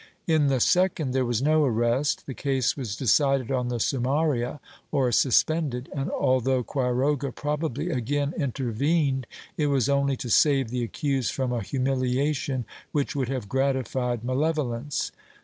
In the second, there was no arrest, the case was decided on the sumaria, or suspended, and although Quiroga probably again intervened, it was only to save the accused from a humiliation which would have gratified malevolence.